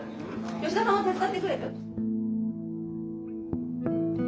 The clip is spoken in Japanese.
吉田さんも手伝ってくれる？